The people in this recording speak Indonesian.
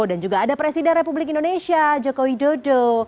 dan juga ada presiden republik indonesia jokowi dodo